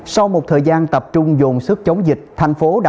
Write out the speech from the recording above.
sau một thời gian tập trung dồn sức chống dịch